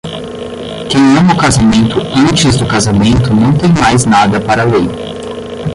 Quem ama o casamento antes do casamento não tem mais nada para a lei.